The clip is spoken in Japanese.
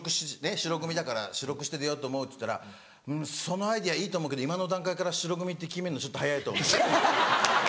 白組だから白くして出ようと思うっつったら「そのアイデアいいと思うけど今の段階から白組って決めんのちょっと早いと思う」。